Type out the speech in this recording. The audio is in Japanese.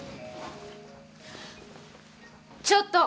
ちょっと！